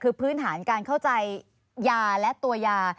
คือพื้นฐานการเข้าใจยาและตัวยา